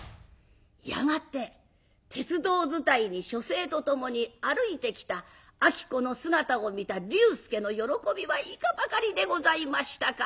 やがて鉄道伝いに書生と共に歩いてきた子の姿を見た龍介の喜びはいかばかりでございましたか。